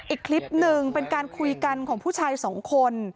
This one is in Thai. อีกคลิปหนึ่งเป็นการคุยกันของผู้ชายสองคน